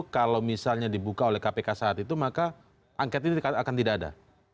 kalau misalnya dibuka oleh kpk saat itu maka angket ini akan tidak ada